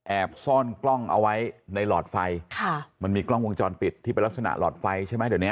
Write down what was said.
ซ่อนกล้องเอาไว้ในหลอดไฟค่ะมันมีกล้องวงจรปิดที่เป็นลักษณะหลอดไฟใช่ไหมเดี๋ยวเนี้ย